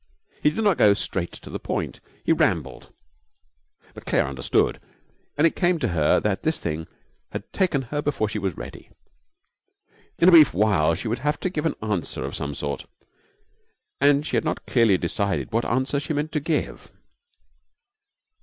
He did not go straight to the point. He rambled. But Claire understood, and it came to her that this thing had taken her before she was ready. In a brief while she would have to give an answer of some sort, and she had not clearly decided what answer she meant to give.